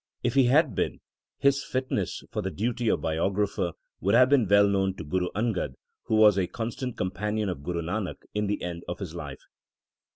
If he had been, his fitness for the duty of biographer would have been well known to Guru Angad, who was a constant companion of Guru Nanak in the end of his life.